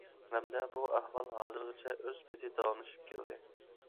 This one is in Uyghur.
ھەمدە بۇ ئەھۋال ھازىرغىچە ئۆز پېتى داۋاملىشىپ كەلدى.